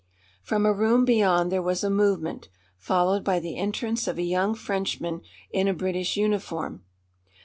From a room beyond there was a movement, followed by the entrance of a young Frenchman in a British uniform.